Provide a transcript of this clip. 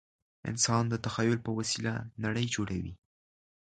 انسان د تخیل په وسیله نړۍ جوړوي.